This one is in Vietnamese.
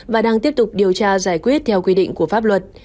và đang tiếp tục điều tra giải quyết theo quy định của pháp luật